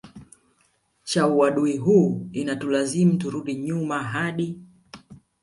cha uadui huu inatulazimu turudi nyuma hadi